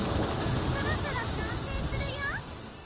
そろそろ完成するよ。